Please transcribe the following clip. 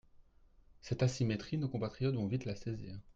Cette asymétrie, nos compatriotes vont vite la saisir.